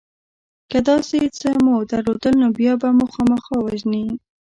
که داسې څه مو درلودل نو بیا به مو خامخا وژني